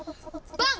バン！